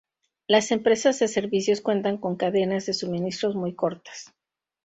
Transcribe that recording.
Las empresas de servicios cuentan con cadenas de suministros muy cortas.